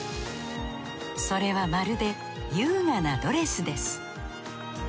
それはまるで優雅なドレスです